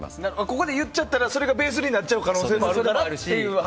ここで言っちゃったらそれがベースになっちゃう可能性もあるからと。